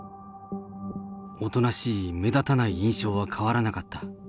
おとなしい目立たない印象は変わらなかった。